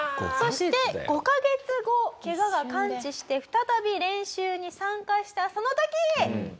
そして５カ月後ケガが完治して再び練習に参加したその時。